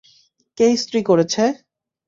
কে ইস্ত্রি করেছে?